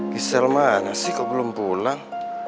gisel mana sih kau belum pulang